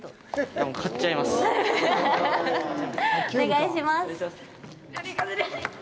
お願いします。